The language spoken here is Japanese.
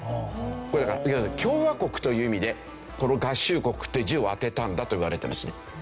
これだからいわゆる共和国という意味でこの合衆国って字を当てたんだといわれてますね。